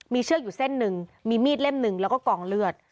มีเชือกอยู่เส้นหนึ่งมีมีดเล่มหนึ่งแล้วก็กองเลือด